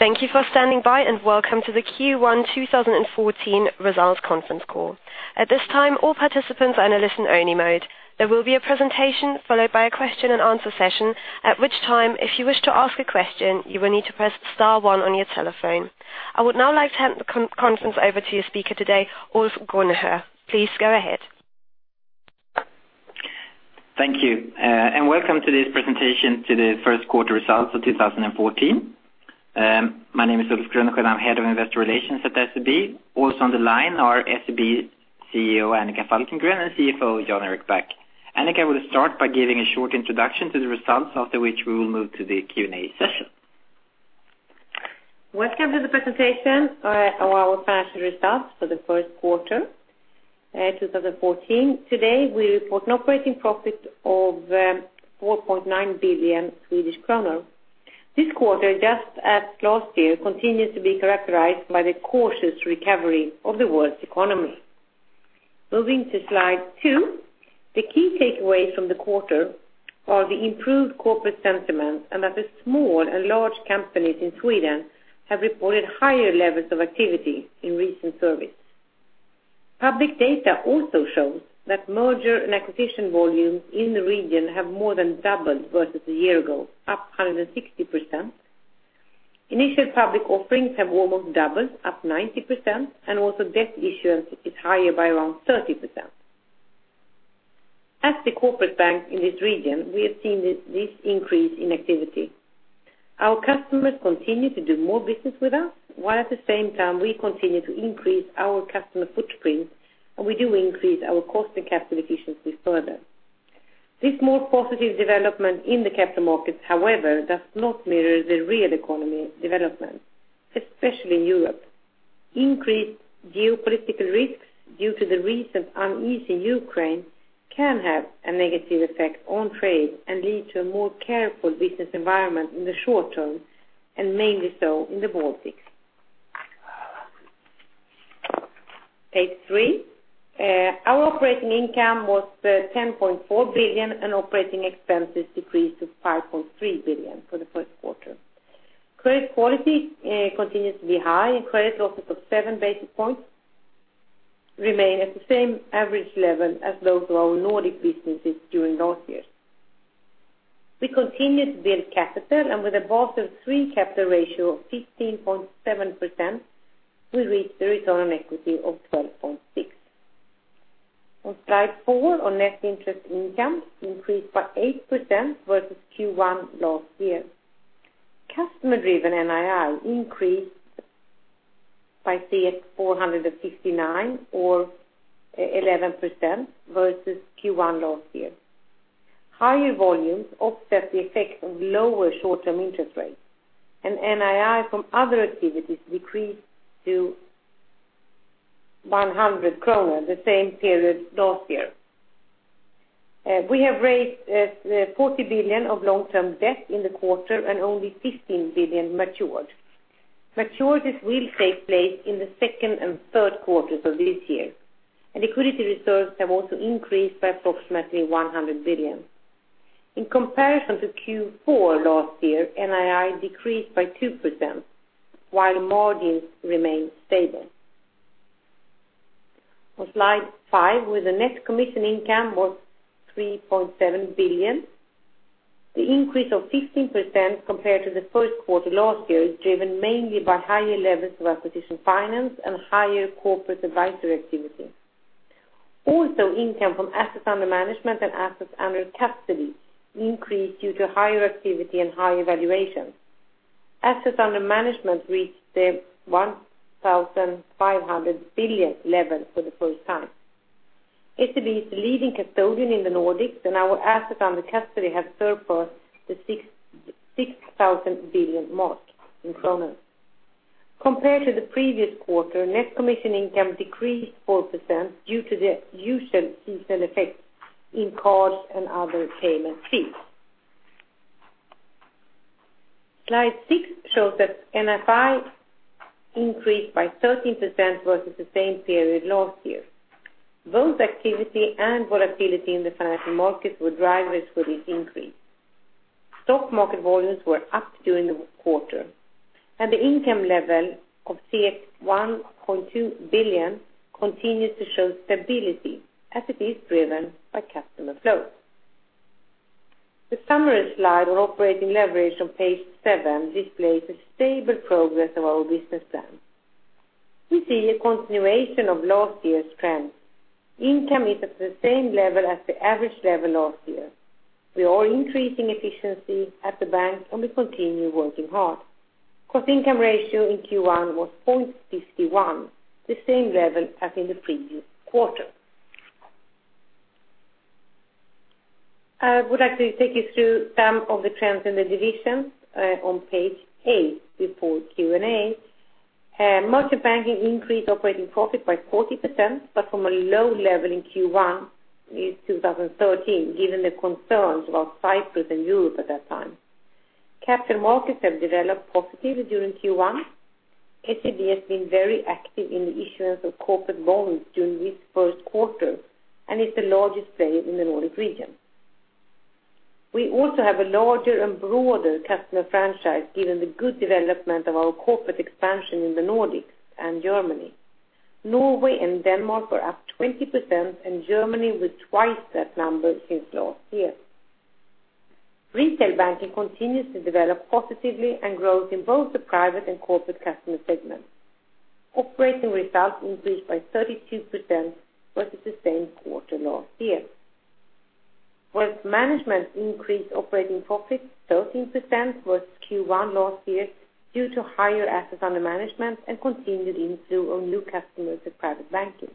Thank you for standing by, and welcome to the Q1 2014 results conference call. At this time, all participants are in a listen-only mode. There will be a presentation followed by a question and answer session, at which time, if you wish to ask a question, you will need to press star one on your telephone. I would now like to hand the conference over to your speaker today, Ulf Grunnesjö. Please go ahead. Welcome to this presentation to the first quarter results of 2014. My name is Ulf Grunnesjö, and I'm head of investor relations at SEB. Also on the line are SEB CEO Annika Falkengren and CFO Jan Erik Back. Annika will start by giving a short introduction to the results, after which we will move to the Q&A session. Welcome to the presentation of our financial results for the first quarter 2014. Today we report an operating profit of 4.9 billion Swedish kronor. This quarter, just as last year, continues to be characterized by the cautious recovery of the world's economy. Moving to slide two. The key takeaways from the quarter are the improved corporate sentiment, and that the small and large companies in Sweden have reported higher levels of activity in recent surveys. Public data also shows that merger and acquisition volumes in the region have more than doubled versus a year ago, up 160%. Initial public offerings have more than doubled, up 90%, and also debt issuance is higher by around 30%. As the corporate bank in this region, we have seen this increase in activity. Our customers continue to do more business with us, while at the same time we continue to increase our customer footprint and we do increase our cost and capital efficiency further. This more positive development in the capital markets, however, does not mirror the real economy development, especially in Europe. Increased geopolitical risks due to the recent unease in Ukraine can have a negative effect on trade and lead to a more careful business environment in the short term, and mainly so in the Baltics. Page three. Our operating income was 10.4 billion and operating expenses decreased to 5.3 billion for the first quarter. Credit quality continues to be high, and credit losses of seven basis points remain at the same average level as those of our Nordic businesses during last year's. We continue to build capital, and with a Basel III capital ratio of 15.7%, we reach the return on equity of 12.6%. On slide four, our net interest income increased by 8% versus Q1 last year. Customer-driven NII increased by SEK 469, or 11% versus Q1 last year. Higher volumes offset the effect of lower short-term interest rates, and NII from other activities decreased to 100 kronor the same period last year. We have raised 40 billion of long-term debt in the quarter, and only 15 billion matured. Maturities will take place in the second and third quarters of this year, and liquidity reserves have also increased by approximately 100 billion. In comparison to Q4 last year, NII decreased by 2%, while margins remained stable. On slide five, where the net commission income was 3.7 billion. The increase of 15% compared to the first quarter last year is driven mainly by higher levels of acquisition finance and higher corporate advisory activity. Also income from assets under management and assets under custody increased due to higher activity and higher valuations. Assets under management reached the 1,500 billion level for the first time. SEB is the leading custodian in the Nordics, and our assets under custody have surpassed the 6,000 billion mark. Compared to the previous quarter, net commission income decreased 4% due to the usual seasonal effects in cards and other payment fees. Slide six shows that NII increased by 13% versus the same period last year. Both activity and volatility in the financial markets were drivers for this increase. Stock market volumes were up during the quarter, and the income level of 1.2 billion continues to show stability as it is driven by customer flows. The summary slide on operating leverage on page seven displays the stable progress of our business plan. We see a continuation of last year's trend. Income is at the same level as the average level last year. We are increasing efficiency at the bank, and we continue working hard. Cost-income ratio in Q1 was 0.51, the same level as in the previous quarter. I would like to take you through some of the trends in the divisions on page eight before Q&A. Merchant banking increased operating profit by 40%, but from a low level in Q1 in 2013, given the concerns about Cyprus and Europe at that time. Capital markets have developed positively during Q1. SEB has been very active in the issuance of corporate bonds during this first quarter and is the largest player in the Nordic region. We also have a larger and broader customer franchise, given the good development of our corporate expansion in the Nordics and Germany. Norway and Denmark were up 20%, and Germany was twice that number since last year. Retail banking continues to develop positively and grows in both the private and corporate customer segments. Operating results increased by 32% versus the same quarter last year. Wealth management increased operating profits 13% versus Q1 last year due to higher assets under management and continued inflow of new customers at private banking.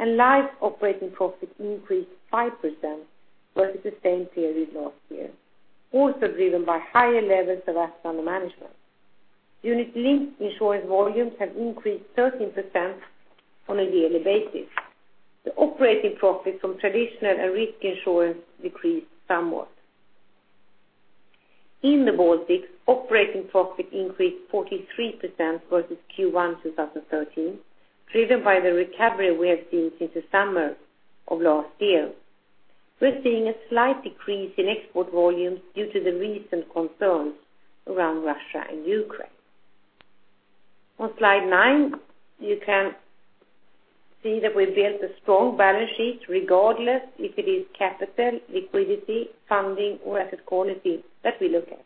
Life operating profits increased 5% versus the same period last year, also driven by higher levels of assets under management. Unit-linked insurance volumes have increased 13% on a yearly basis. The operating profit from traditional and risk insurance decreased somewhat. In the Baltics, operating profit increased 43% versus Q1 2013, driven by the recovery we have seen since the summer of last year. We're seeing a slight decrease in export volumes due to the recent concerns around Russia and Ukraine. On slide nine, you can see that we've built a strong balance sheet, regardless if it is capital liquidity, funding, or asset quality that we look at.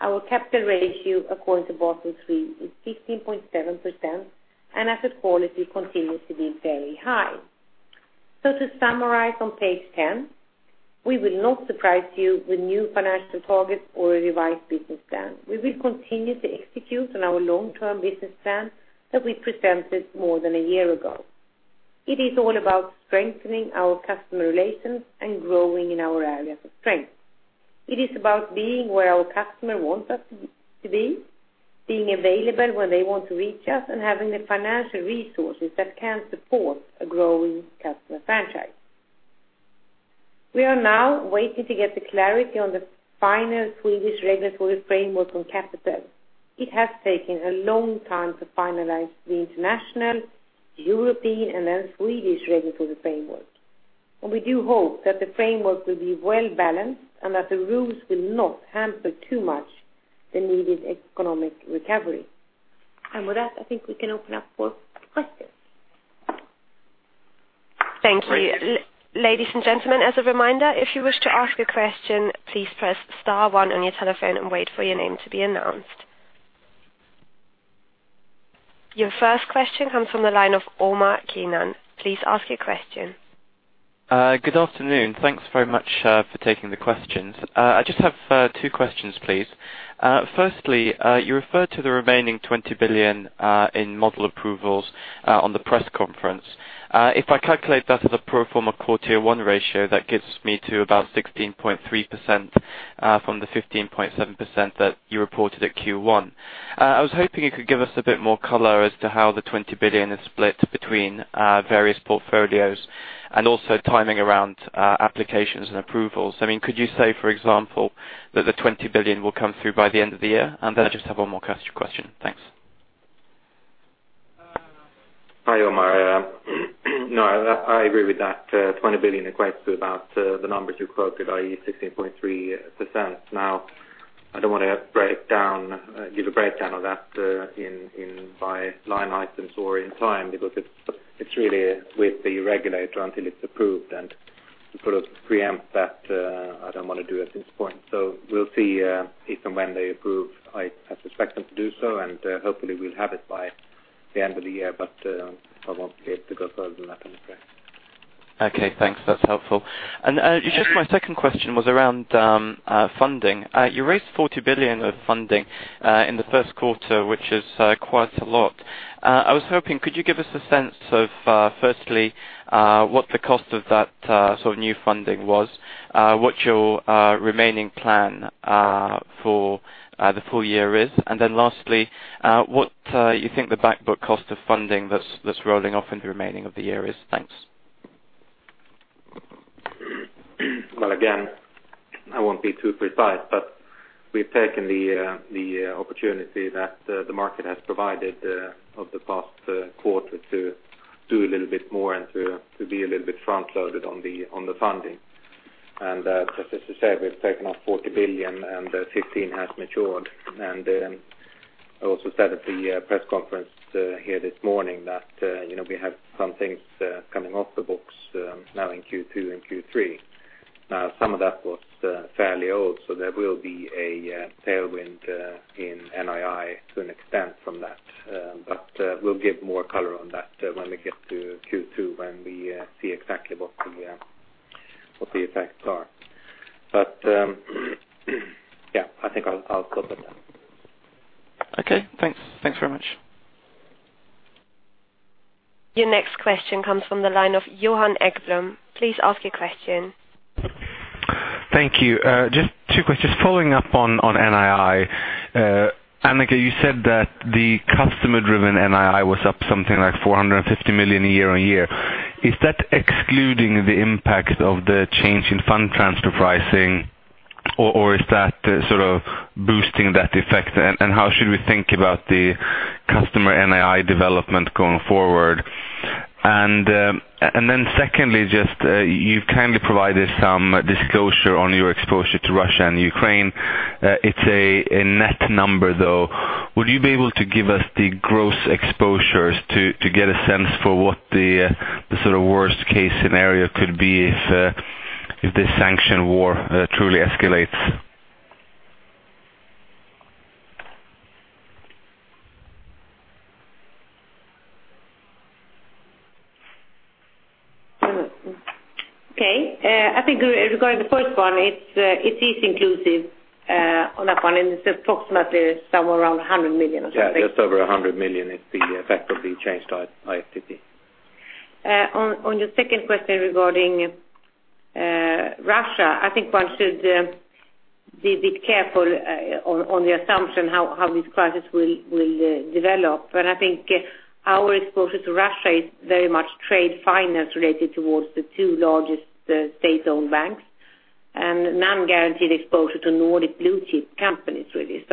Our capital ratio according to Basel III is 15.7%, and asset quality continues to be very high. To summarize on page 10, we will not surprise you with new financial targets or a revised business plan. We will continue to execute on our long-term business plan that we presented more than a year ago. It is all about strengthening our customer relations and growing in our areas of strength. It is about being where our customer wants us to be, being available when they want to reach us, and having the financial resources that can support a growing customer franchise. We are now waiting to get the clarity on the final Swedish regulatory framework on capital. It has taken a long time to finalize the international, European, then Swedish regulatory framework. We do hope that the framework will be well-balanced and that the rules will not hamper too much the needed economic recovery. With that, I think we can open up for questions. Thank you. Ladies and gentlemen, as a reminder, if you wish to ask a question, please press star one on your telephone and wait for your name to be announced. Your first question comes from the line of Omar Keenan. Please ask your question. Good afternoon. Thanks very much for taking the questions. I just have two questions, please. Firstly, you referred to the remaining 20 billion in model approvals on the press conference. If I calculate that as a pro forma core Tier 1 ratio, that gets me to about 16.3% from the 15.7% that you reported at Q1. I was hoping you could give us a bit more color as to how the 20 billion is split between various portfolios and also timing around applications and approvals. Could you say, for example, that the 20 billion will come through by the end of the year? Then I just have one more question. Thanks. Hi, Omar. I agree with that. 20 billion equates to about the numbers you quoted, i.e., 16.3%. I don't want to give a breakdown of that by line items or in time, because it's really with the regulator until it's approved. To pre-empt that, I don't want to do it at this point. We'll see if and when they approve. I suspect them to do so, and hopefully we'll have it by the end of the year, but I won't be able to go further than that on the press. Okay, thanks. That's helpful. Just my second question was around funding. You raised 40 billion of funding in the first quarter, which is quite a lot. I was hoping, could you give us a sense of, firstly, what the cost of that new funding was, what your remaining plan for the full year is, and then lastly, what you think the back book cost of funding that's rolling off in the remaining of the year is? Thanks. Again, I won't be too precise, but we've taken the opportunity that the market has provided of the past quarter to do a little bit more and to be a little bit front-loaded on the funding. As I said, we've taken up 40 billion and 15 billion has matured. I also said at the press conference here this morning that we have some things coming off the books now in Q2 and Q3. Some of that was fairly old, so there will be a tailwind in NII to an extent from that. We'll give more color on that when we get to Q2, when we see exactly what the effects are. I think I'll quote on that. Okay. Thanks very much. Your next question comes from the line of Johan Ekström. Please ask your question. Thank you. Just two questions. Following up on NII. Annika, you said that the customer-driven NII was up something like 450 million year-on-year. Is that excluding the impact of the change in fund transfer pricing? Or is that boosting that effect? How should we think about the customer NII development going forward? Then secondly, you've kindly provided some disclosure on your exposure to Russia and Ukraine. It's a net number, though. Would you be able to give us the gross exposures to get a sense for what the worst-case scenario could be if this sanction war truly escalates? Okay. I think regarding the first one, it is inclusive on that one, and it's approximately somewhere around 100 million or something. Yeah, just over 100 million is the effect of the change to IFTP. On your second question regarding Russia, I think one should be careful on the assumption how this crisis will develop. I think our exposure to Russia is very much trade finance related towards the two largest state-owned banks, and non-guaranteed exposure to Nordic blue-chip companies, really.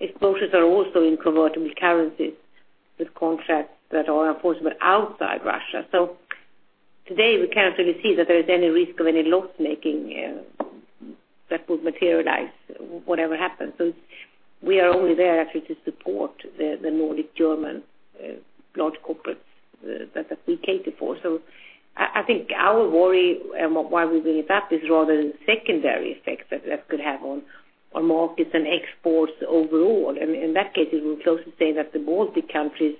Exposures are also in convertible currencies with contracts that are enforceable outside Russia. Today, we can't really see that there is any risk of any loss making that would materialize, whatever happens. We are only there actually to support the Nordic German large corporates that we cater for. I think our worry and why we bring it up is rather the secondary effects that could have on markets and exports overall. In that case, it will closely say that the Baltic countries,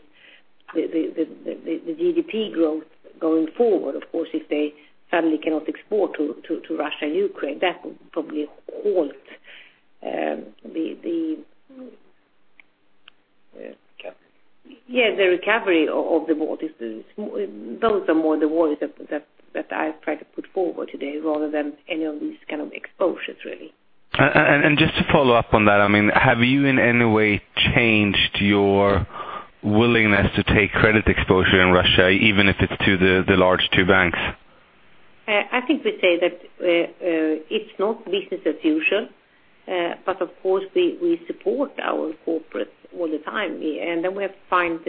the GDP growth going forward, of course, if they suddenly cannot export to Russia and Ukraine, that will probably halt. Recovery. The recovery of the Baltics. Those are more the worries that I've tried to put forward today rather than any of these kinds of exposures, really. Just to follow up on that, have you in any way changed your willingness to take credit exposure in Russia, even if it's to the large two banks? I think we say that it's not business as usual. Of course, we support our corporates all the time. Then we have to find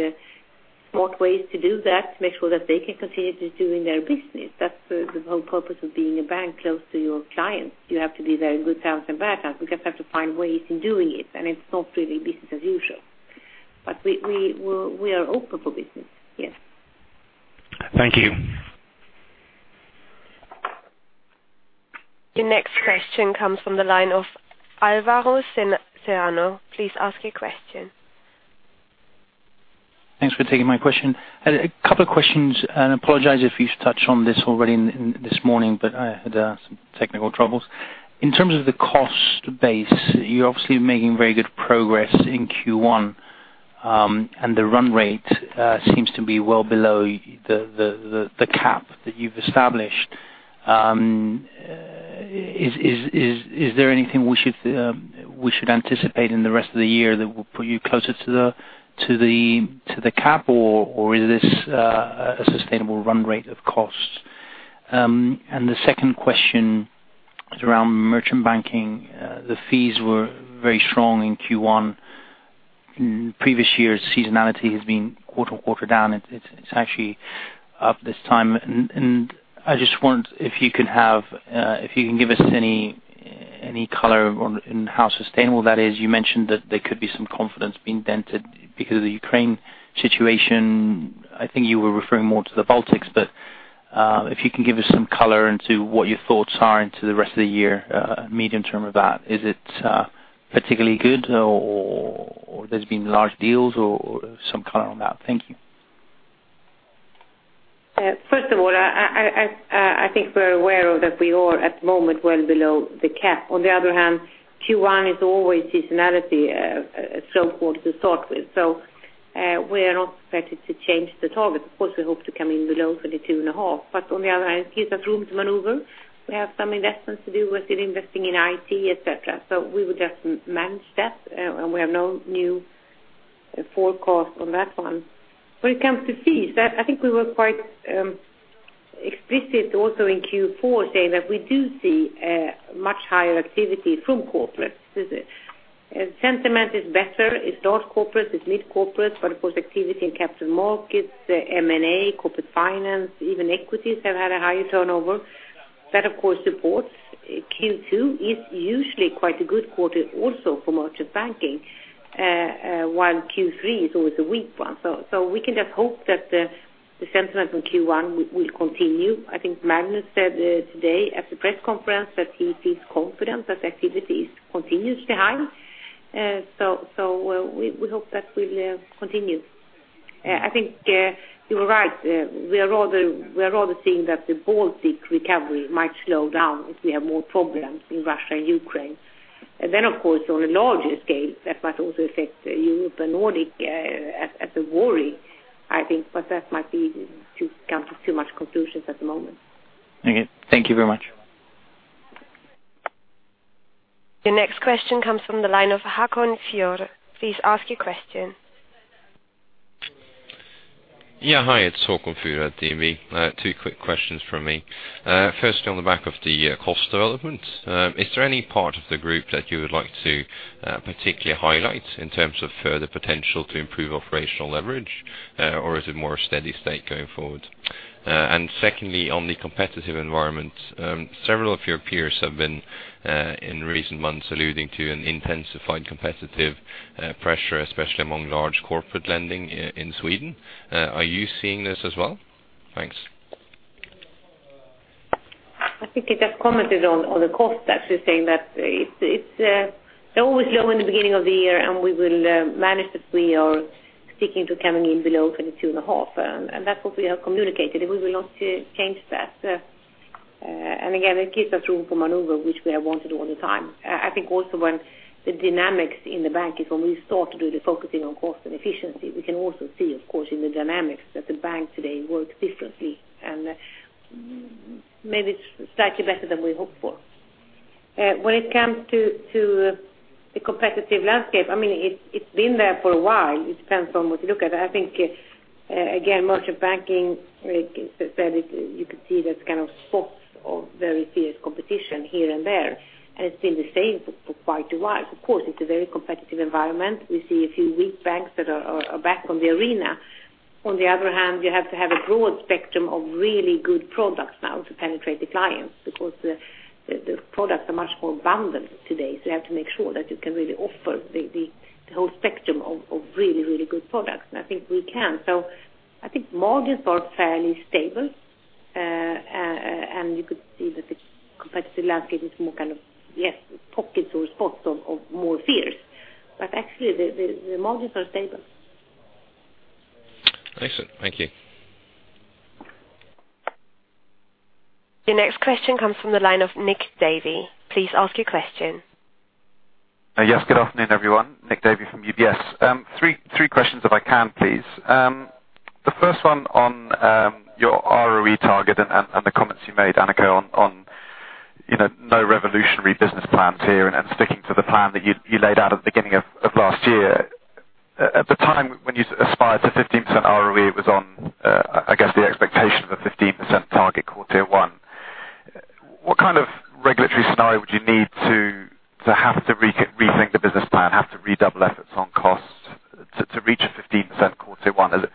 smart ways to do that to make sure that they can continue doing their business. That's the whole purpose of being a bank close to your clients. You have to be there in good times and bad times. We just have to find ways in doing it, and it's not really business as usual. We are open for business, yes. Thank you. Your next question comes from the line of Alvaro Serrano. Please ask your question. Thanks for taking my question. A couple of questions, apologize if you've touched on this already this morning, but I had some technical troubles. In terms of the cost base, you're obviously making very good progress in Q1, and the run rate seems to be well below the cap that you've established. Is there anything we should anticipate in the rest of the year that will put you closer to the cap, or is this a sustainable run rate of costs? The second question is around merchant banking. The fees were very strong in Q1. In previous years, seasonality has been quarter-on-quarter down. It's actually up this time, and I just wonder if you can give us any color on how sustainable that is. You mentioned that there could be some confidence being dented because of the Ukraine situation. I think you were referring more to the Baltics. If you can give us some color into what your thoughts are into the rest of the year, medium term of that. Is it particularly good, or there's been large deals or some color on that? Thank you. First of all, I think we're aware that we are at the moment well below the cap. On the other hand, Q1 is always seasonality, a slow quarter to start with. We are not expected to change the target. Of course, we hope to come in below 22.5. On the other hand, it gives us room to maneuver. We have some investments to do. We're still investing in IT, et cetera. We would just manage that. We have no new forecast on that one. When it comes to fees, I think we were quite explicit also in Q4, saying that we do see much higher activity from corporates. Sentiment is better. It's large corporates, it's mid corporates. Of course, activity in capital markets, M&A, corporate finance, even equities have had a higher turnover. That, of course, supports Q2 is usually quite a good quarter also for merchant banking, while Q3 is always a weak one. We can just hope that the sentiment from Q1 will continue. I think Magnus said today at the press conference that he sees confidence that the activity continues to be high. We hope that will continue. I think you're right. We are rather seeing that the Baltic recovery might slow down if we have more problems in Russia and Ukraine. Of course, on a larger scale, that might also affect Europe and Nordic as a worry, I think. That might be to come to too much conclusions at the moment. Okay. Thank you very much. Your next question comes from the line of Haakon Furu. Please ask your question. Yeah. Hi, it's Haakon Furu at DNB. Two quick questions from me. Firstly, on the back of the cost development, is there any part of the group that you would like to particularly highlight in terms of further potential to improve operational leverage? Or is it more steady state going forward? Secondly, on the competitive environment, several of your peers have been, in recent months, alluding to an intensified competitive pressure, especially among large corporate lending in Sweden. Are you seeing this as well? Thanks. I think I just commented on the cost, actually, saying that it's always low in the beginning of the year. We will manage that we are seeking to coming in below 22.5. That's what we have communicated. We will not change that. Again, it gives us room for maneuver, which we have wanted all the time. I think also when the dynamics in the bank is when we start to do the focusing on cost and efficiency, we can also see, of course, in the dynamics that the bank today works differently and maybe slightly better than we hoped for. When it comes to the competitive landscape, it's been there for a while. It depends on what you look at. I think, again, merchant banking, like you said, you could see there's spots of very fierce competition here and there, and it's been the same for quite a while. Of course, it's a very competitive environment. We see a few weak banks that are back on the arena. On the other hand, you have to have a broad spectrum of really good products now to penetrate the clients because the products are much more abundant today. You have to make sure that you can really offer the whole spectrum of really good products. I think we can. I think margins are fairly stable. You could see that the competitive landscape is more pockets or spots of more fears. Actually, the margins are stable. Excellent. Thank you. Your next question comes from the line of Nick Davey. Please ask your question. Yes. Good afternoon, everyone. Nick Davey from UBS. Three questions if I can, please. The first one on your ROE target and the comments you made, Annika, on no revolutionary business plans here and sticking to the plan that you laid out at the beginning of last year. At the time when you aspired to 15% ROE, it was on, I guess, the expectation of a 15% target core Tier 1. What kind of regulatory scenario would you need to have to rethink the business plan, have to redouble efforts on costs to reach a 15% core Tier 1?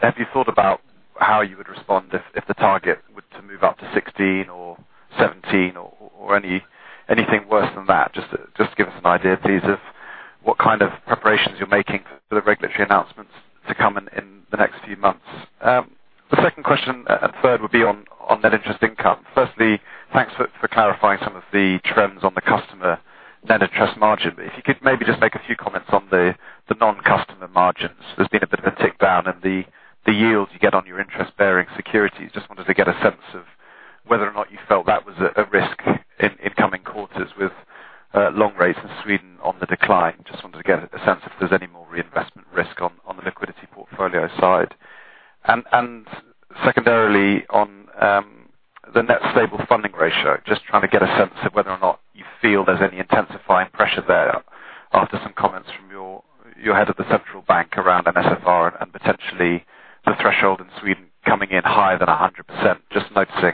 Have you thought about how you would respond if the target were to move up to 16 or 17 or anything worse than that? Just give us an idea, please, of what kind of preparations you're making for the regulatory announcements to come in the next few months. The second question, third would be on net interest income. Firstly, thanks for clarifying some of the trends on the customer net interest margin. If you could maybe just make a few comments on the non-customer margins. There's been a bit of a tick down in the yields you get on your interest-bearing securities. Just wanted to get a sense of whether or not you felt that was a risk in coming quarters with long rates in Sweden on the decline. Just wanted to get a sense if there's any more reinvestment risk on the liquidity portfolio side. Secondarily, on the net stable funding ratio, just trying to get a sense of whether or not you feel there's any intensifying pressure there after some comments from your head of the central bank around NSFR and potentially the threshold in Sweden coming in higher than 100%. Just noticing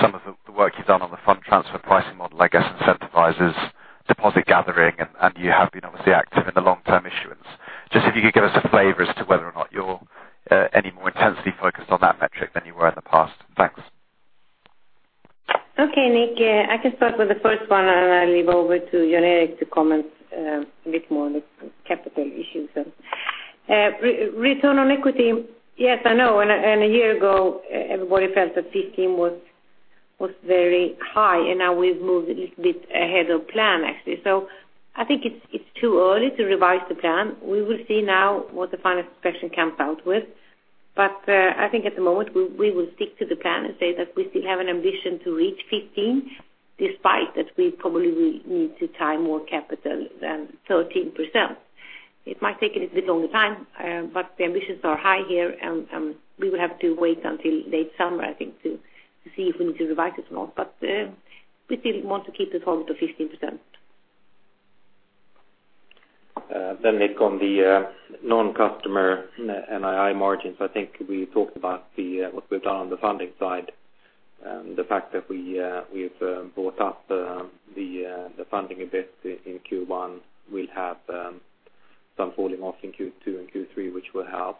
some of the work you've done on the fund transfer pricing model, I guess, incentivizes deposit gathering, and you have been obviously active in the long-term issuance. Just if you could give us a flavor as to whether or not you're any more intensely focused on that metric than you were in the past. Thanks. Okay, Nick. I can start with the first one, and I'll leave over to Jan Erik to comment a bit more on the capital issues. Return on equity. Yes, I know. A year ago, everybody felt that 15% was very high, and now we've moved a little bit ahead of plan, actually. I think it's too early to revise the plan. We will see now what the final expression comes out with. I think at the moment, we will stick to the plan and say that we still have an ambition to reach 15%, despite that we probably will need to tie more capital than 13%. It might take a little bit longer time, the ambitions are high here, and we will have to wait until late summer, I think, to see if we need to revise it or not. We still want to keep the target of 15%. Nick, on the non-customer NII margins, I think we talked about what we've done on the funding side. The fact that we've brought up the funding a bit in Q1 will have some falling off in Q2 and Q3, which will help.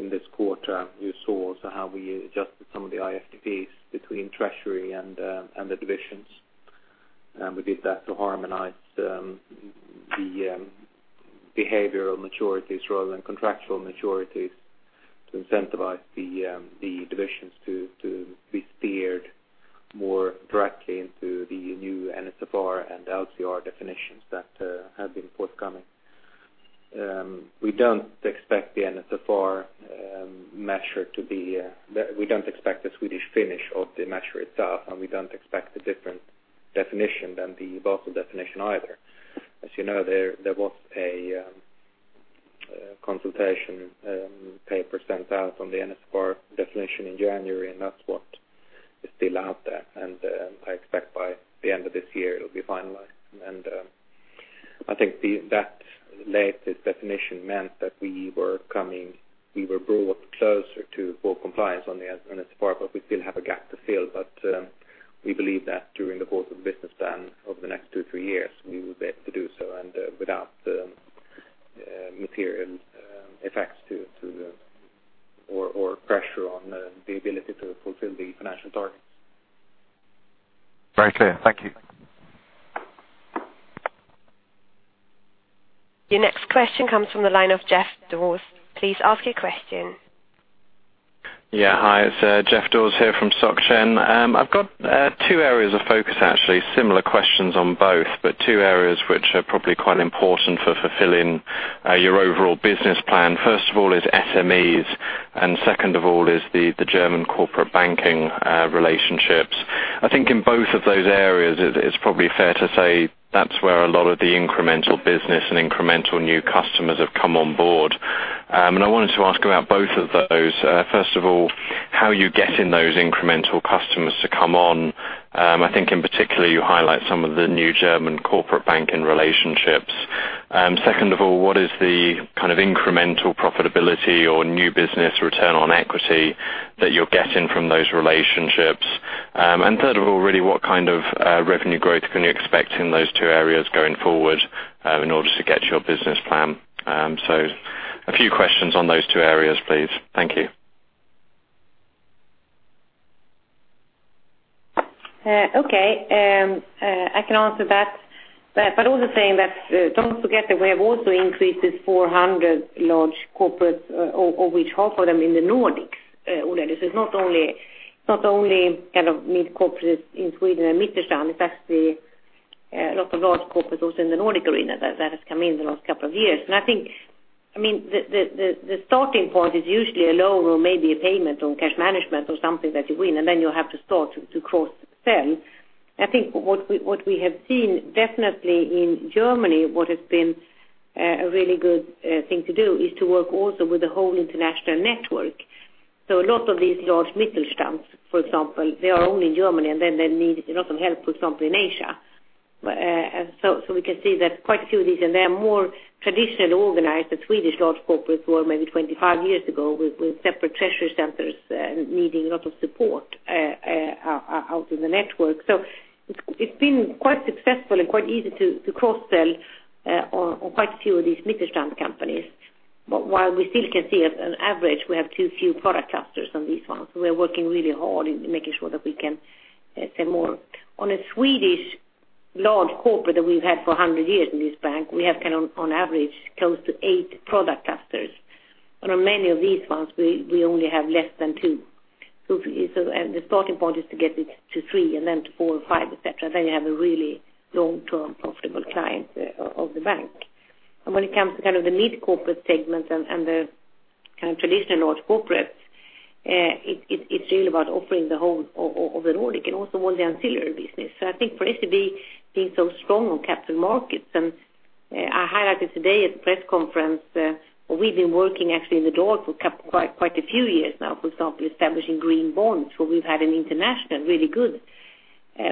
In this quarter, you saw also how we adjusted some of the IFTPs between treasury and the divisions. We did that to harmonize the behavioral maturities rather than contractual maturities to incentivize the divisions to be steered more directly into the new NSFR and LCR definitions that have been forthcoming. We don't expect the Swedish finish of the measure itself, and we don't expect a different definition than the Basel definition either. As you know, there was a consultation paper sent out on the NSFR definition in January. still out there. I expect by the end of this year it'll be finalized. I think that latest definition meant that we were brought closer to full compliance on the NSFR. We still have a gap to fill. We believe that during the course of business plan over the next two, three years, we will be able to do so, without material effects to the or pressure on the ability to fulfill the financial targets. Very clear. Thank you. Your next question comes from the line of Jeff Dawes. Please ask your question. Hi, it's Jeff Dawes here from SocGen. I've got two areas of focus actually. Similar questions on both. Two areas which are probably quite important for fulfilling your overall business plan. First of all is SMEs. Second of all is the German corporate banking relationships. I think in both of those areas, it's probably fair to say that's where a lot of the incremental business and incremental new customers have come on board. I wanted to ask about both of those. First of all, how you get in those incremental customers to come on. I think in particular, you highlight some of the new German corporate banking relationships. Second of all, what is the incremental profitability or new business return on equity that you're getting from those relationships? Third of all, really, what kind of revenue growth can you expect in those two areas going forward in order to get your business plan? A few questions on those two areas, please. Thank you. Okay. I can answer that. Also saying that, don't forget that we have also increased this 400 large corporates, of which half of them in the Nordics already. It's not only mid corporates in Sweden and Mittelstand, it's actually a lot of large corporates also in the Nordic arena that has come in the last couple of years. I think, the starting point is usually a loan or maybe a payment on cash management or something that you win, and then you have to start to cross-sell. I think what we have seen definitely in Germany, what has been a really good thing to do is to work also with the whole international network. A lot of these large Mittelstands, for example, they are only in Germany, and then they need a lot of help, for example, in Asia. We can see that quite a few of these, and they are more traditionally organized, the Swedish large corporates who are maybe 25 years ago with separate treasury centers needing a lot of support out in the network. It's been quite successful and quite easy to cross-sell on quite a few of these Mittelstand companies. But while we still can see as an average, we have too few product clusters on these ones. We are working really hard in making sure that we can sell more. On a Swedish large corporate that we've had for 100 years in this bank, we have on average, close to eight product clusters. And on many of these ones, we only have less than two. The starting point is to get it to three, and then to four or five, et cetera. You have a really long-term profitable client of the bank. When it comes to the mid corporate segment and the traditional large corporates, it's really about offering the whole of the Nordic and also all the ancillary business. I think for SEB being so strong on capital markets, and I highlighted today at the press conference we've been working actually in the dark for quite a few years now, for example, establishing green bonds, where we've had an international, really good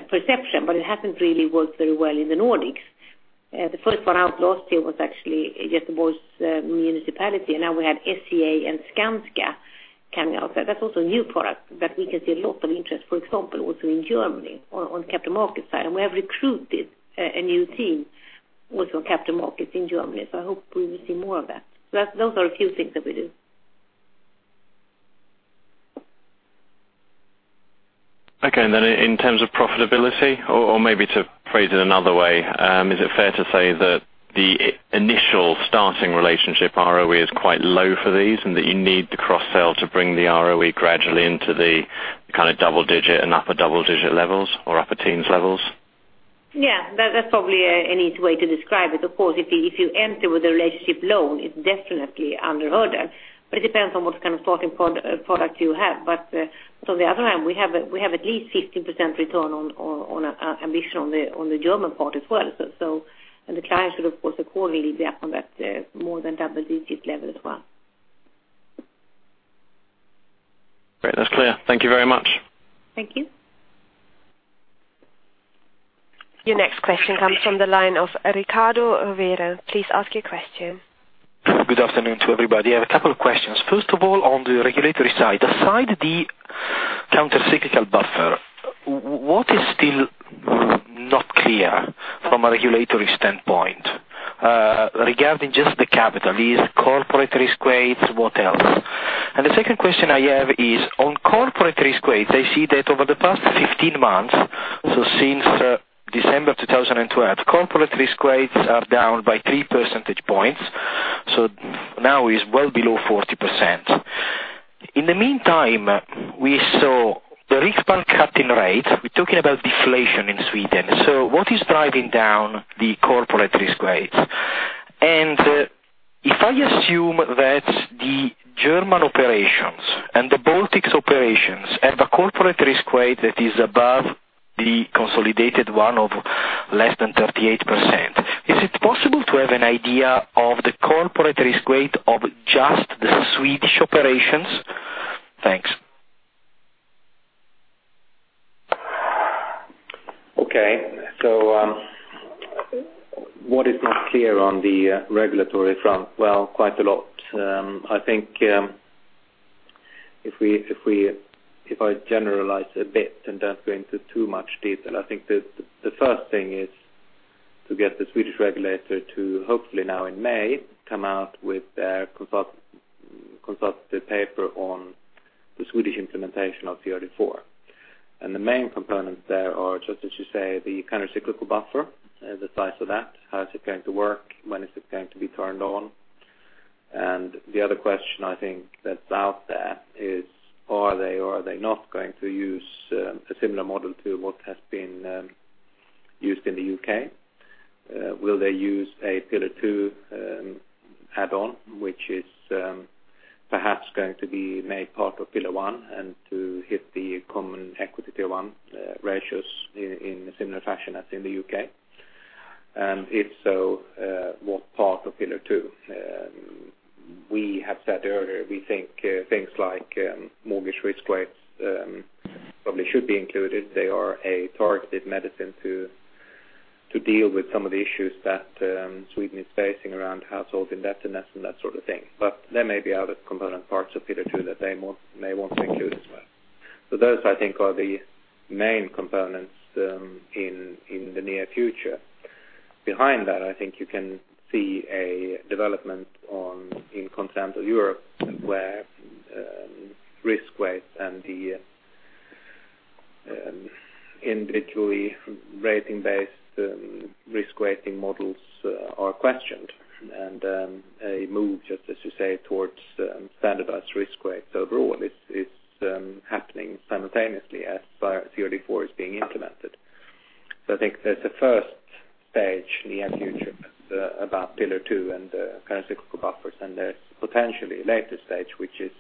perception, but it hasn't really worked very well in the Nordics. The first one out last year was actually Gothenburg's municipality, and now we had SCA and Skanska coming out. That's also a new product that we can see a lot of interest, for example, also in Germany on capital markets side. We have recruited a new team also on capital markets in Germany. I hope we will see more of that. Those are a few things that we do. In terms of profitability or maybe to phrase it another way, is it fair to say that the initial starting relationship ROE is quite low for these, and that you need the cross-sell to bring the ROE gradually into the double-digit and upper double-digit levels or upper teens levels? That's probably a neat way to describe it. Of course, if you enter with a relationship loan, it's definitely under order. It depends on what kind of starting product you have. From the other hand, we have at least 15% return on ambition on the German part as well. The clients should, of course, accordingly be up on that more than double-digit level as well. Great. That's clear. Thank you very much. Thank you. Your next question comes from the line of Ricardo Rivera. Please ask your question. Good afternoon to everybody. I have a couple of questions. First of all, on the regulatory side. Aside the countercyclical buffer, what is still not clear from a regulatory standpoint regarding just the capital? Is corporate risk weights, what else? The second question I have is on corporate risk weights, I see that over the past 15 months, since December 2012, corporate risk weights are down by three percentage points. Now is well below 40%. In the meantime, we saw the Riksbank cutting rates. We're talking about deflation in Sweden. What is driving down the corporate risk weights? If I assume that the German operations and the Baltics operations have a corporate risk weight that is above the consolidated one of less than 38%, is it possible to have an idea of the corporate risk weight of Swedish operations? Thanks. Okay. What is not clear on the regulatory front? Well, quite a lot. I think if I generalize a bit and don't go into too much detail, I think the first thing is to get the Swedish regulator to, hopefully now in May, come out with their consultative paper on the Swedish implementation of CRD IV. The main components there are, just as you say, the countercyclical buffer, the size of that, how is it going to work, when is it going to be turned on. The other question I think that's out there is, are they or are they not going to use a similar model to what has been used in the U.K.? Will they use a Pillar 2 add-on, which is perhaps going to be made part of Pillar 1 and to hit the common equity Pillar 1 ratios in a similar fashion as in the U.K. If so, what part of Pillar 2? We have said earlier, we think things like mortgage risk weights probably should be included. They are a targeted medicine to deal with some of the issues that Sweden is facing around household indebtedness and that sort of thing. There may be other component parts of Pillar 2 that they may want to include as well. Those, I think, are the main components in the near future. Behind that, I think you can see a development in continental Europe where risk weights and the individually rating-based risk weighting models are questioned. A move, just as you say, towards standardized risk weights overall. It's happening simultaneously as CRD IV is being implemented. I think there's a first stage in the near future about Pillar 2 and countercyclical buffers, and there's potentially a later stage, which is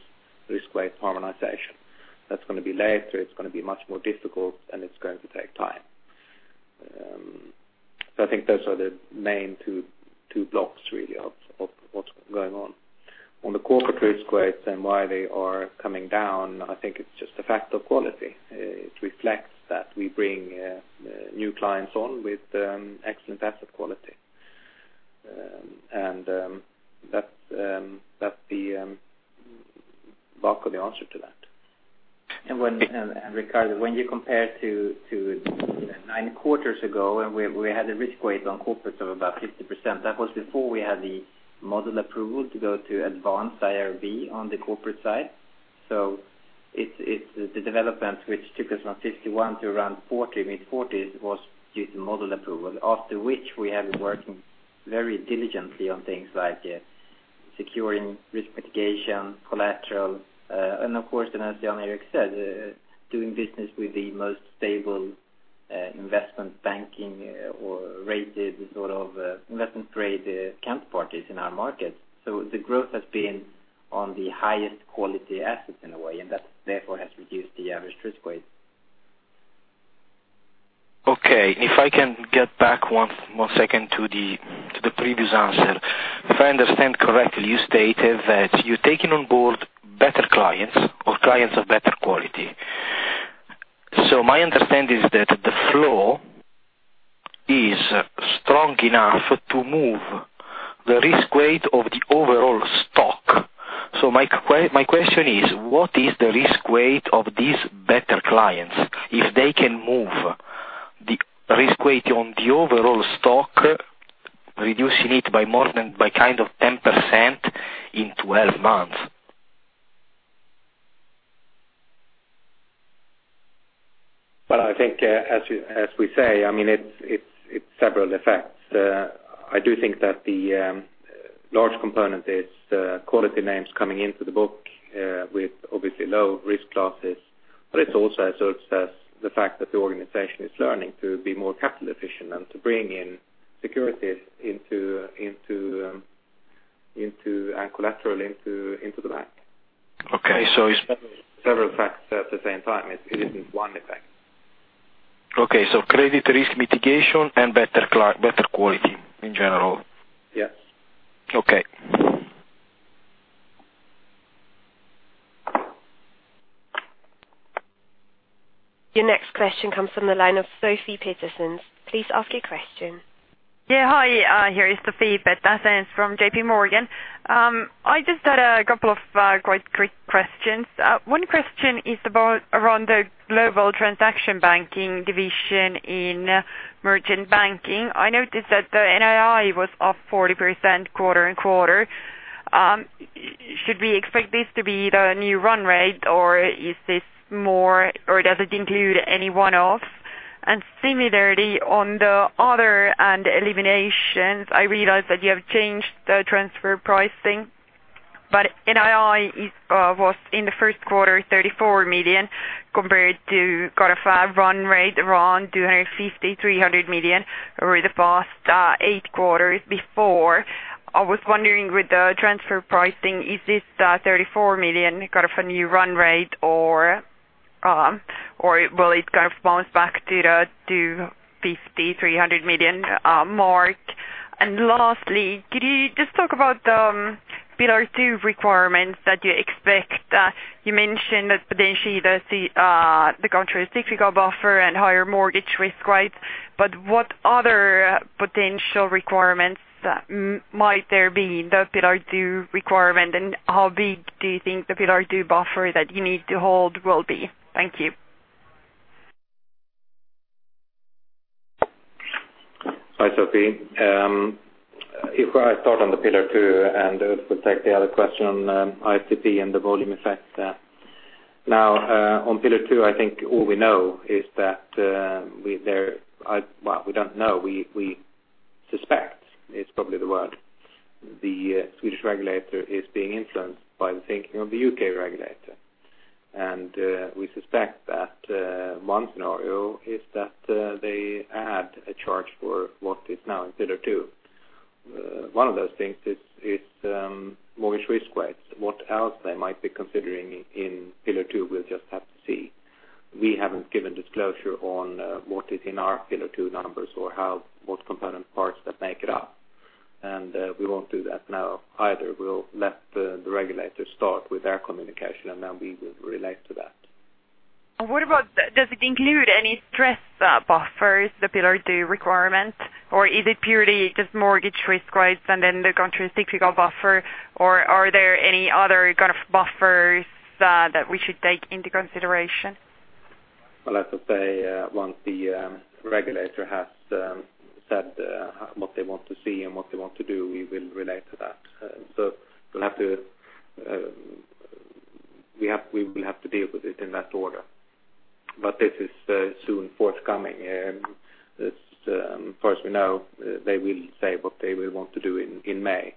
risk weight harmonization. That's going to be later, it's going to be much more difficult, and it's going to take time. I think those are the main two blocks really of what's going on. On the corporate risk weights and why they are coming down, I think it's just a fact of quality. It reflects that we bring new clients on with excellent asset quality. That's the bulk of the answer to that. Ricardo, when you compare to nine quarters ago, and we had a risk weight on corporates of about 50%, that was before we had the model approval to go to advanced IRB on the corporate side. The development which took us from 51 to around 40, mid-40s, was due to model approval. After which we have been working very diligently on things like securing risk mitigation, collateral, and of course, as Jan Erik said, doing business with the most stable investment banking or rated sort of investment-grade counterparties in our market. The growth has been on the highest quality assets in a way, and that therefore has reduced the average risk weight. Okay, if I can get back one second to the previous answer. If I understand correctly, you stated that you're taking on board better clients or clients of better quality. My understanding is that the flow is strong enough to move the risk weight of the overall stock. My question is, what is the risk weight of these better clients, if they can move the risk weight on the overall stock, reducing it by kind of 10% in 12 months? Well, I think as we say, it's several effects. I do think that the large component is quality names coming into the book with obviously low risk classes. It also asserts as the fact that the organization is learning to be more capital efficient and to bring in securities and collateral into the bank. Okay. Several facts at the same time. It isn't one effect. Okay. Credit risk mitigation and better quality in general. Yes. Okay. Your next question comes from the line of Sophie Petersen. Please ask your question. Hi, here is Sophie Petersen from JP Morgan. I just had a couple of quite quick questions. One question is around the global transaction banking division in merchant banking. I noticed that the NII was up 40% quarter-on-quarter. Should we expect this to be the new run rate, or does it include any one-off? Similarly, on the other and eliminations, I realize that you have changed the transfer pricing. NII was in the first quarter, 34 million, compared to kind of a run rate around 250 million-300 million over the past eight quarters before. I was wondering with the transfer pricing, is this 34 million kind of a new run rate or will it bounce back to the 250 million-300 million mark? Lastly, could you just talk about the Pillar 2 requirements that you expect? You mentioned that potentially the countercyclical buffer and higher mortgage risk rates, what other potential requirements might there be in the Pillar 2 requirement, and how big do you think the Pillar 2 buffer that you need to hold will be? Thank you. Hi, Sophie. If I start on the Pillar 2 and we'll take the other question on IFTP and the volume effect. On Pillar 2, I think all we know is that we suspect, is probably the word. The Swedish regulator is being influenced by the thinking of the U.K. regulator. We suspect that one scenario is that they add a charge for what is now in Pillar 2. One of those things is mortgage risk weights. What else they might be considering in Pillar 2, we'll just have to see. We haven't given disclosure on what is in our Pillar 2 numbers or what component parts that make it up. We won't do that now either. We'll let the regulators start with their communication, and then we will relate to that. What about, does it include any stress buffers, the Pillar 2 requirement, or is it purely just mortgage risk rates and then the countercyclical buffer, or are there any other kind of buffers that we should take into consideration? As I say, once the regulator has said what they want to see and what they want to do, we will relate to that. We will have to deal with it in that order. This is soon forthcoming. As far as we know, they will say what they will want to do in May.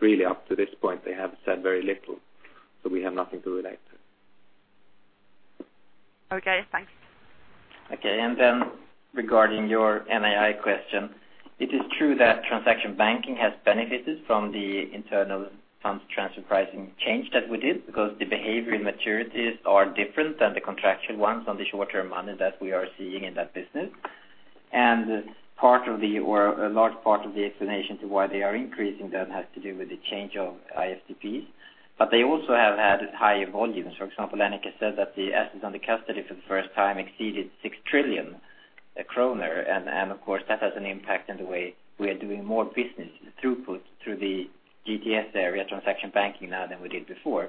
Really, up to this point, they have said very little. We have nothing to relate to. Okay, thanks. Okay, regarding your NII question, it is true that transaction banking has benefited from the Internal Funds Transfer Pricing change that we did because the behavior in maturities are different than the contractual ones on the short-term money that we are seeing in that business. A large part of the explanation to why they are increasing then has to do with the change of IFTPs. They also have had higher volumes. For example, Annika said that the assets under custody for the first time exceeded 6 trillion kronor, of course, that has an impact in the way we are doing more business throughput through the GTS area transaction banking now than we did before.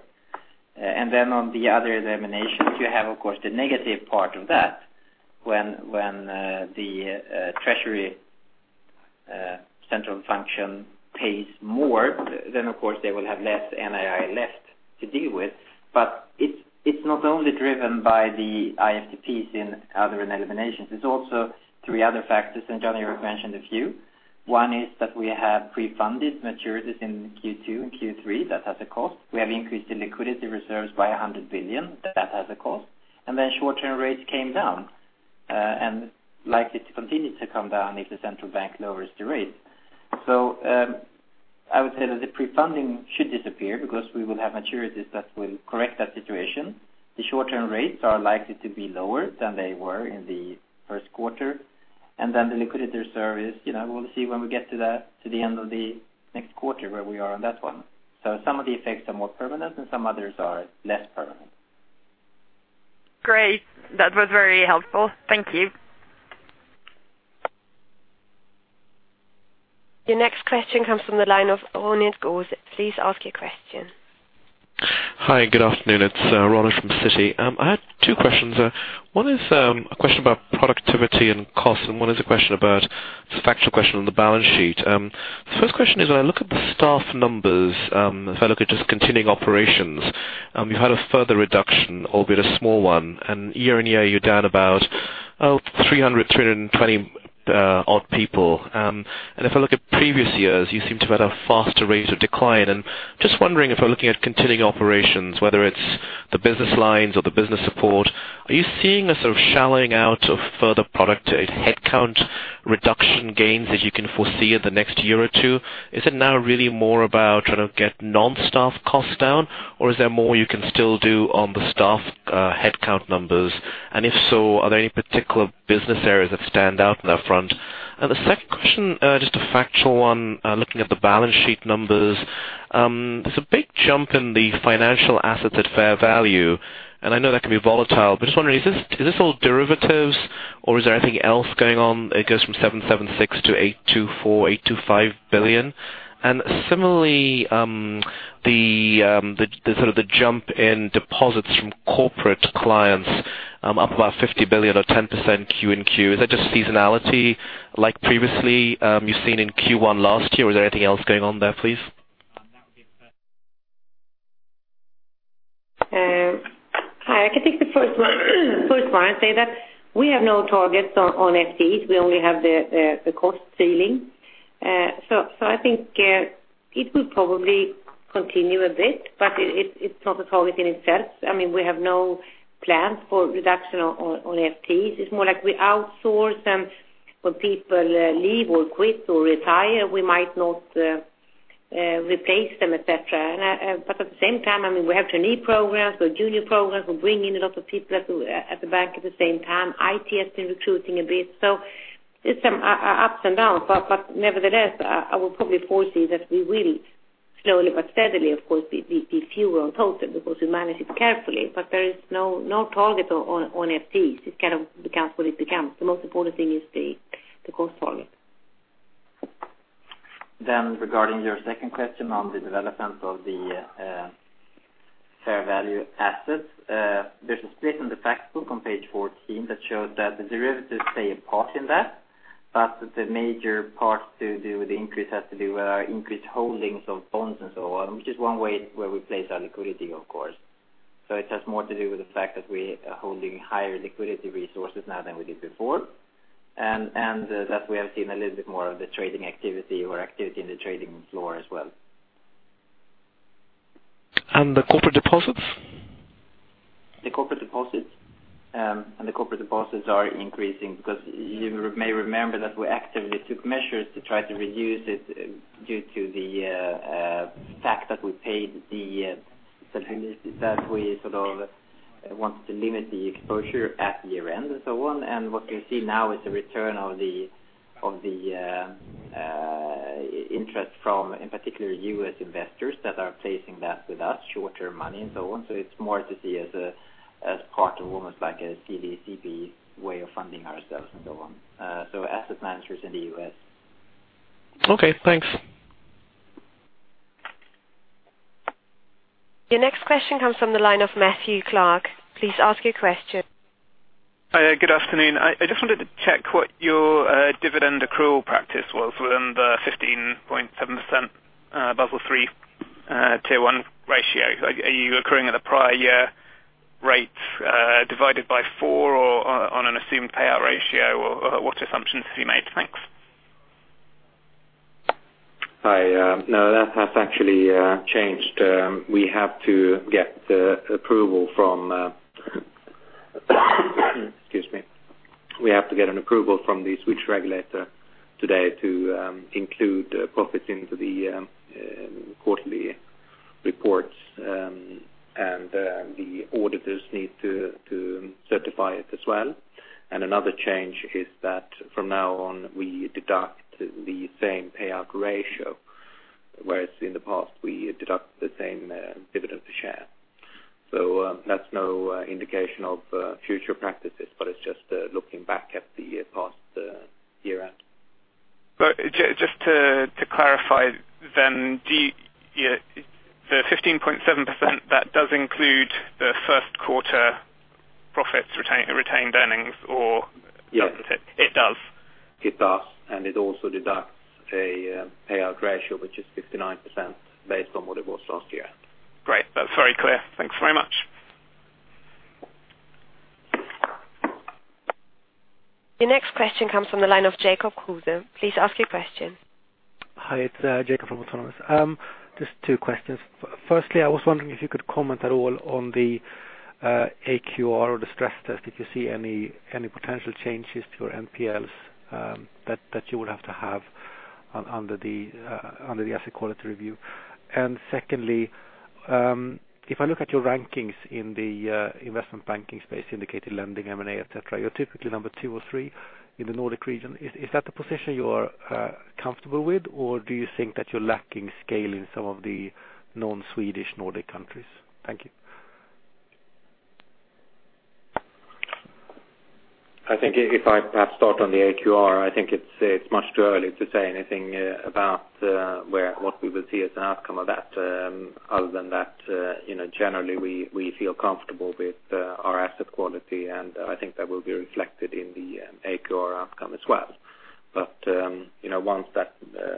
On the other eliminations, you have, of course, the negative part of that. When the treasury central function pays more, of course they will have less NII left to deal with. It's not only driven by the IFTPs in other eliminations. There's also 3 other factors, Jan Erik has mentioned a few. One is that we have pre-funded maturities in Q2 and Q3. That has a cost. We have increased the liquidity reserves by 100 billion. That has a cost. Short-term rates came down, and likely to continue to come down if the central bank lowers the rates. I would say that the pre-funding should disappear because we will have maturities that will correct that situation. The short-term rates are likely to be lower than they were in the first quarter. The liquidity reserve is, we'll see when we get to the end of the next quarter where we are on that one. Some of the effects are more permanent and some others are less permanent. Great. That was very helpful. Thank you. Your next question comes from the line of Ronit Ghose. Please ask your question. Hi, good afternoon. It's Ronit from Citi. I had two questions. One is a question about productivity and cost, and one is a factual question on the balance sheet. The first question is, when I look at the staff numbers, if I look at just continuing operations, you had a further reduction, albeit a small one. Year-on-year, you're down about 300, 320 odd people. If I look at previous years, you seem to have had a faster rate of decline. Just wondering if we're looking at continuing operations, whether it's the business lines or the business support, are you seeing a sort of shallowing out of further product headcount reduction gains that you can foresee in the next year or two? Is it now really more about trying to get non-staff costs down, or is there more you can still do on the staff headcount numbers? If so, are there any particular business areas that stand out in that front? The second question, just a factual one, looking at the balance sheet numbers. There's a big jump in the financial assets at fair value, and I know that can be volatile, but just wondering, is this all derivatives, or is there anything else going on? It goes from 776 billion to 824 billion, 825 billion. Similarly, the jump in deposits from corporate clients up about 50 billion or 10% quarter-over-quarter. Is that just seasonality like previously you've seen in Q1 last year? Or is there anything else going on there, please? Hi. I can take the first one and say that we have no targets on FTEs. We only have the cost ceiling. I think it will probably continue a bit, but it's not a target in itself. We have no plans for reduction on FTEs. It's more like we outsource and when people leave or quit or retire, we might not Replace them, et cetera. At the same time, we have trainee programs, we have junior programs. We bring in a lot of people at the bank at the same time. IT has been recruiting a bit. There's some ups and downs. Nevertheless, I will probably foresee that we will slowly but steadily, of course, be fewer in total because we manage it carefully. There is no target on FTEs. It becomes what it becomes. The most important thing is the cost target. Regarding your second question on the development of the fair value assets. There's a split in the fact book on page 14 that showed that the derivatives play a part in that, the major part to do with the increase has to do with our increased holdings of bonds and so on, which is one way where we place our liquidity, of course. It has more to do with the fact that we are holding higher liquidity resources now than we did before, and that we have seen a little bit more of the trading activity or activity in the trading floor as well. The corporate deposits? The corporate deposits are increasing because you may remember that we actively took measures to try to reduce it due to the fact that we sort of wanted to limit the exposure at year-end and so on. What we see now is the return of the interest from, in particular, U.S. investors that are placing that with us, short-term money and so on. It's more to see as part of almost like a CD/CP way of funding ourselves and so on. Asset managers in the U.S. Okay, thanks. Your next question comes from the line of Matthew Clark. Please ask your question. Hi, good afternoon. I just wanted to check what your dividend accrual practice was within the 15.7% Basel III Tier 1 ratio. Are you accruing at the prior year rates divided by four, or on an assumed payout ratio? What assumptions have you made? Thanks. Hi. No, that has actually changed. We have to get approval from excuse me. We have to get an approval from the Swedish regulator today to include profits into the quarterly reports. The auditors need to certify it as well. Another change is that from now on, we deduct the same payout ratio, whereas in the past, we deduct the same dividend per share. That's no indication of future practices, but it's just looking back at the past year-end. Just to clarify, the 15.7%, that does include the first quarter profits retained earnings? Yes. It does? It does. It also deducts a payout ratio, which is 59%, based on what it was last year. Great. That's very clear. Thanks very much. Your next question comes from the line of Jacob Kruse. Please ask your question. Hi, it's Jacob from Autonomous. Just two questions. Firstly, I was wondering if you could comment at all on the AQR or the stress test. Did you see any potential changes to your NPLs that you would have to have under the asset quality review? Secondly, if I look at your rankings in the investment banking space, syndicated lending, M&A, et cetera, you're typically number two or three in the Nordic region. Is that the position you are comfortable with, or do you think that you're lacking scale in some of the non-Swedish Nordic countries? Thank you. I think if I perhaps start on the AQR, I think it's much too early to say anything about what we will see as an outcome of that, other than that generally we feel comfortable with our asset quality, and I think that will be reflected in the AQR outcome as well. Once that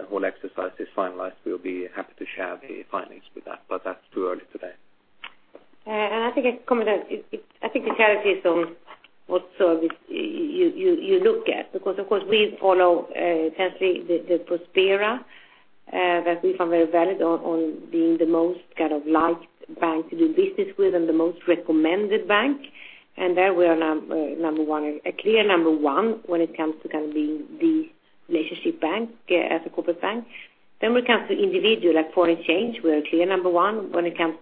whole exercise is finalized, we'll be happy to share the findings with that. That's too early today. I think it carries on what service you look at, because, of course, we follow carefully the Prospera that we found very valid on being the most liked bank to do business with and the most recommended bank. There we are number one, a clear number one when it comes to being the relationship bank as a corporate bank. When it comes to individual, like foreign exchange, we are clear number one. When it comes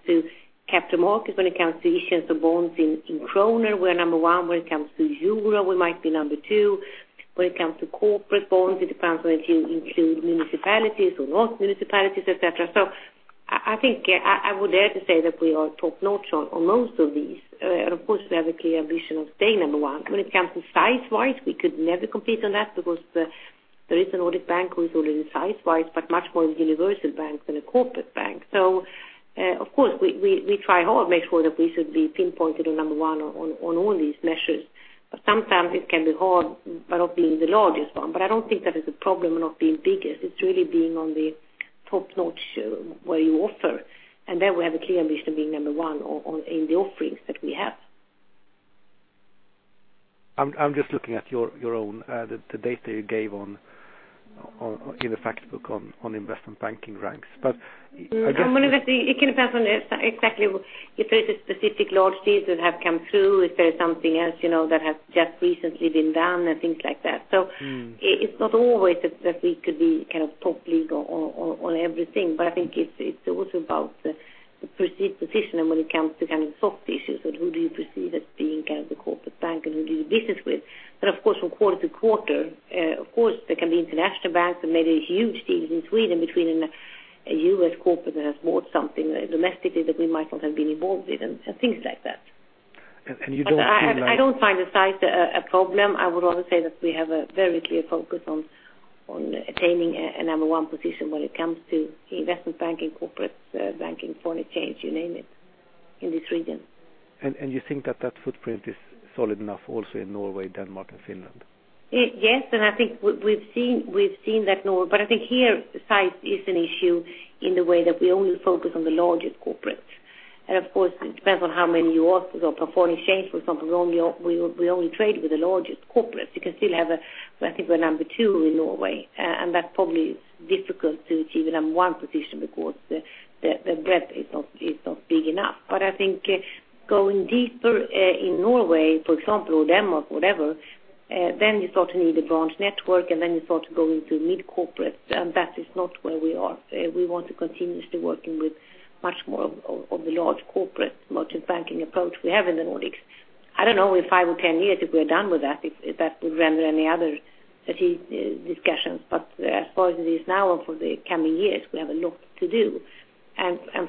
to capital markets, when it comes to issuance of bonds in krona, we're number one. When it comes to EUR, we might be number two. When it comes to corporate bonds, it depends on if you include municipalities or not municipalities, et cetera. I think I would dare to say that we are top-notch on most of these. Of course, we have a clear ambition of staying number one. When it comes to size-wise, we could never compete on that because there is a Nordic bank who is already size-wise, but much more universal bank than a corporate bank. Of course, we try hard make sure that we should be pinpointed on number one on all these measures. Sometimes it can be hard, but of being the largest one. I don't think that it's a problem not being biggest. It's really being on the top-notch where you offer. There we have a clear ambition of being number one in the offerings that we have. I'm just looking at the data you gave in the fact book on investment banking ranks. I guess. It can depend on exactly if there is a specific large deal that have come through, if there is something else that has just recently been done and things like that. It's not always that we could be top league on everything, but I think it's also about the perceived position and when it comes to soft issues, who do you perceive as being the corporate bank, and who do you do business with? Of course, from quarter to quarter, there can be international banks that made a huge deal in Sweden between a U.S. corporate that has bought something domestically that we might not have been involved with, and things like that. You don't feel like- I don't find the size a problem. I would rather say that we have a very clear focus on attaining a number one position when it comes to investment banking, corporate banking, foreign exchange, you name it, in this region. You think that footprint is solid enough also in Norway, Denmark, and Finland? Yes, I think we've seen that, I think here the size is an issue in the way that we only focus on the largest corporates. Of course, it depends on how many you author. For foreign exchange, for example, we only trade with the largest corporates. You can still have a I think we're number 2 in Norway, and that probably is difficult to achieve a number 1 position because the breadth is not big enough. I think going deeper, in Norway, for example, or Denmark, whatever, then you start to need a branch network, and then you start to go into mid corporates, and that is not where we are. We want to continuously working with much more of the large corporate merchant banking approach we have in the Nordics. I don't know, in five or 10 years, if we're done with that, if that would render any other discussions. As far as it is now and for the coming years, we have a lot to do.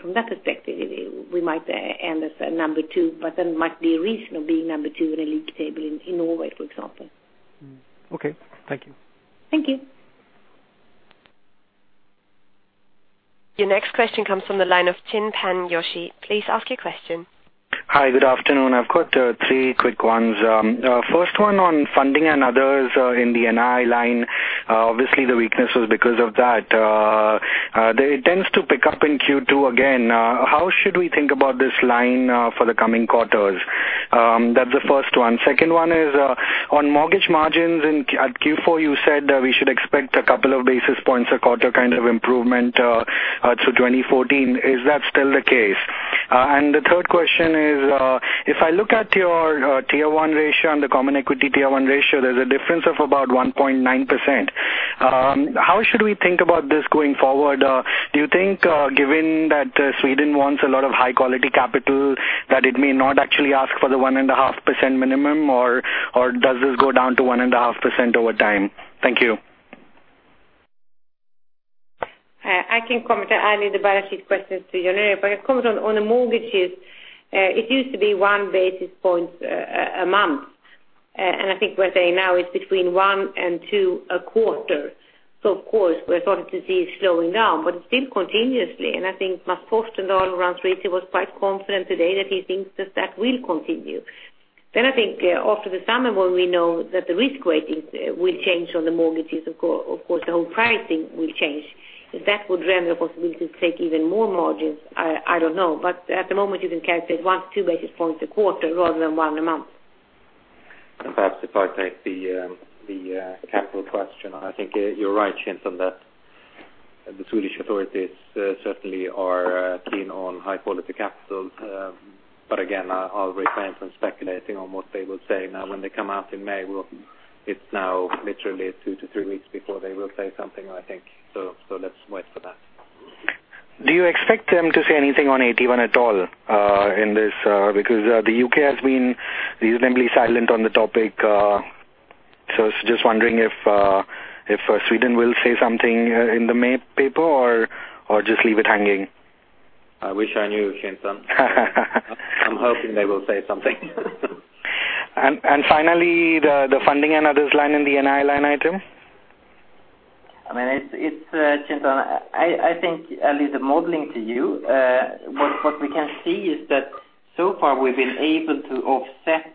From that perspective, we might end as number 2, but then it might be a reason of being number 2 in a league table in Norway, for example. Okay. Thank you. Thank you. Your next question comes from the line of Chintan Joshi. Please ask your question. Hi, good afternoon. I've got three quick ones. First one on funding and others in the NII line. Obviously, the weakness was because of that. It tends to pick up in Q2 again. How should we think about this line for the coming quarters? That's the first one. Second one is on mortgage margins. At Q4, you said that we should expect a couple of basis points a quarter kind of improvement to 2014. Is that still the case? The third question is if I look at your Tier 1 ratio and the common equity Tier 1 ratio, there's a difference of about 1.9%. How should we think about this going forward? Do you think given that Sweden wants a lot of high-quality capital, that it may not actually ask for the 1.5% minimum, or does this go down to 1.5% over time? Thank you. I can comment. I'll leave the balance sheet questions to Jan Erik. I comment on the mortgages. It used to be one basis point a month. I think we're saying now it's between one and two a quarter. Of course, we're starting to see it slowing down, but still continuously, and I think Mats Torstendahl and all around SEB was quite confident today that he thinks that that will continue. I think after the summer, when we know that the risk ratings will change on the mortgages, of course, the whole pricing will change. If that would render the possibility to take even more margins, I don't know. At the moment, you can calculate one to two basis points a quarter rather than one a month. Perhaps if I take the capital question. I think you're right, Chintan, that the Swedish authorities certainly are keen on high-quality capital. Again, I'll refrain from speculating on what they will say now when they come out in May. It's now literally two to three weeks before they will say something, I think. Let's wait for that. Do you expect them to say anything on AT1 at all in this? Because the U.K. has been reasonably silent on the topic. I was just wondering if Sweden will say something in the May paper or just leave it hanging. I wish I knew, Chintan. I'm hoping they will say something. Finally, the funding and others line in the NII line item? Chintan, I think I'll leave the modeling to you. What we can see is that so far we've been able to offset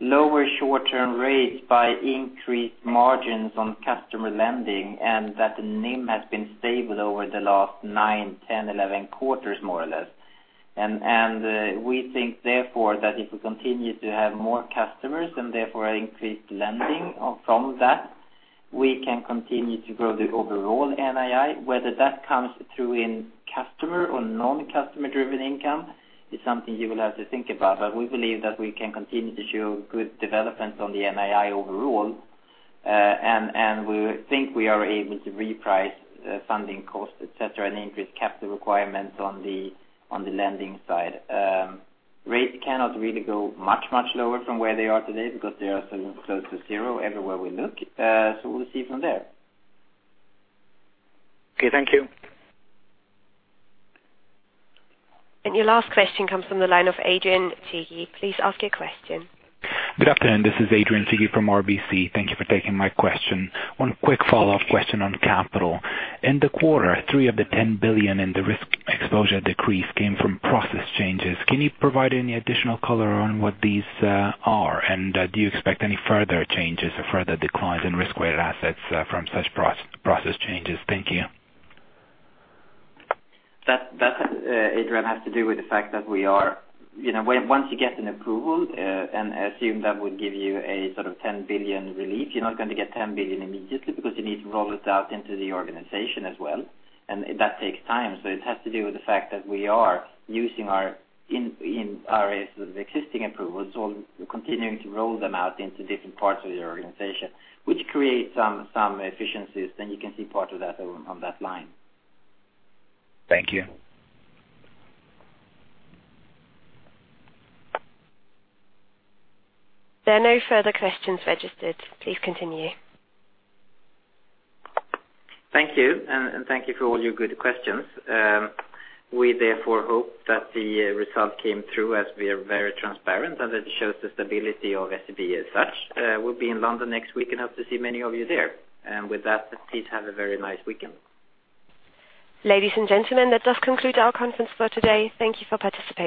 lower short-term rates by increased margins on customer lending, and that the NIM has been stable over the last nine, 10, 11 quarters, more or less. We think therefore, that if we continue to have more customers and therefore increased lending from that, we can continue to grow the overall NII. Whether that comes through in customer or non-customer-driven income is something you will have to think about. We believe that we can continue to show good development on the NII overall, and we think we are able to reprice funding costs, et cetera, and increase capital requirements on the lending side. Rates cannot really go much, much lower from where they are today because they are so close to zero everywhere we look. We'll see from there. Okay, thank you. Your last question comes from the line of Adrian Cighi. Please ask your question. Good afternoon. This is Adrian Cighi from RBC. Thank you for taking my question. One quick follow-up question on capital. In the quarter, three of the 10 billion in the risk exposure decrease came from process changes. Can you provide any additional color on what these are? Do you expect any further changes or further declines in risk-weighted assets from such process changes? Thank you. That, Adrian, has to do with the fact that we are Once you get an approval, assume that would give you a sort of 10 billion relief, you're not going to get 10 billion immediately because you need to roll it out into the organization as well. That takes time. It has to do with the fact that we are using our in our existing approvals or continuing to roll them out into different parts of the organization, which creates some efficiencies, you can see part of that on that line. Thank you. There are no further questions registered. Please continue. Thank you. Thank you for all your good questions. We therefore hope that the result came through as we are very transparent. It shows the stability of SEB as such. We'll be in London next week and hope to see many of you there. With that, please have a very nice weekend. Ladies and gentlemen, that does conclude our conference for today. Thank you for participating.